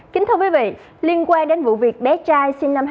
kính thưa quý vị liên quan đến vụ việc bé trai sinh năm hai nghìn